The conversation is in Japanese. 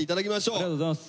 ありがとうございます。